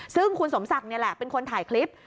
ซึ่งคุณสมศักดิ์นี่แหละเป็นคนถ่ายคลิป